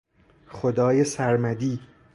خدای سرمدی